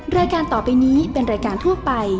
รายการต่อไปนี้เป็นรายการทั่วไป